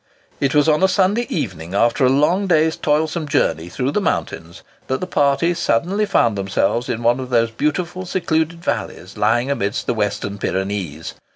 It was on a Sunday evening, after a long day's toilsome journey through the mountains, that the party suddenly found themselves in one of those beautiful secluded valleys lying amidst the Western Pyrenees.